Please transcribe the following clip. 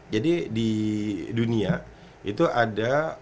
jadi di dunia itu ada